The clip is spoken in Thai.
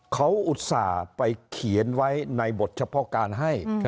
เขาอุตส่าห์ไปเขียนไว้ในบทเฉพาะการให้